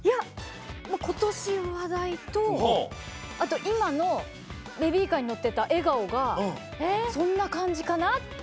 今年話題と今のベビーカーに乗ってた笑顔がそんな感じかなって。